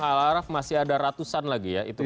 alaraf masih ada ratusan lagi ya